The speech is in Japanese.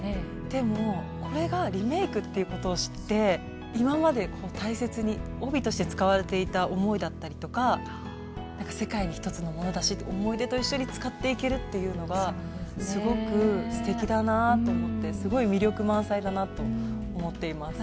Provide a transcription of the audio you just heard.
でもこれがリメイクっていうことを知って今まで大切に帯として使われていた思いだったりとか世界に一つのものだし思い出と一緒に使っていけるっていうのがすごくすてきだなぁと思ってすごい魅力満載だなと思っています。